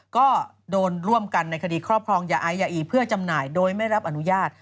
ก็โดนร่วมกันในคดีครอบครองยาไอยาอีเพื่อจำหน่ายโดยไม่รับอนุญาต